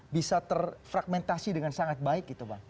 bisa terfragmentasi dengan sangat baik gitu bang